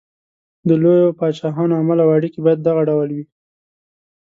د لویو پاچاهانو عمل او اړېکې باید دغه ډول وي.